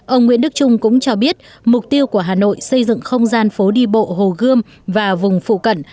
ông nguyễn đức trung cũng cho biết mục tiêu của hà nội xây dựng không gian phố đi bộ hồ gươm và vùng phụ cận